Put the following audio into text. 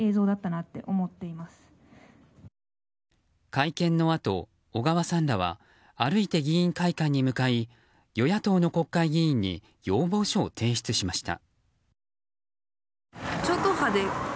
会見のあと、小川さんらは歩いて議員会館に向かい与野党の国会議員に要望書を提出しました。